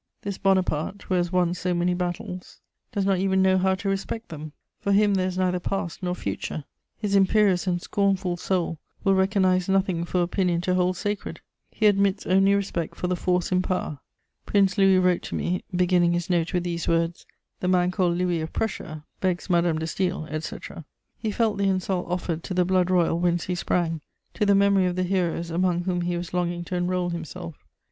This Bonaparte, who has won so many battles, does not even know how to respect them; for him there is neither past nor future; his imperious and scornful soul will recognise nothing for opinion to hold sacred; he admits only respect for the force in power. Prince Louis wrote to me, beginning his note with these words: 'The man called Louis of Prussia begs Madame de Staël,' etc. He felt the insult offered to the Blood Royal whence he sprang, to the memory of the heroes among whom he was longing to enroll himself.